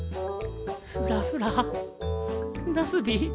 フラフラなすび？